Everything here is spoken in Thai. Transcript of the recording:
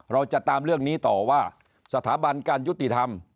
เราจะตามเรื่องนี้ต่อว่าสถาบันการยุติธรรม